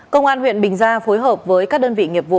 công an huyện bình gia phối hợp với các đơn vị nghiệp vụ